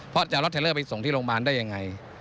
เพราะจะเอารถเทลเลอร์ไปส่งที่โรงพยาบาลได้ยังไง